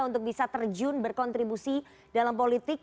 untuk bisa terjun berkontribusi dalam politik